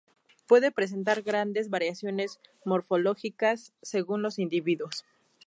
Puede presentar grandes variaciones morfológicas según los individuos.